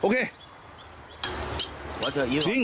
เกิดอะไรขึ้น